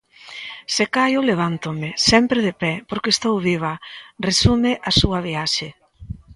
Se caio, levántome, sempre de pé, porque estou viva, resume a súa viaxe.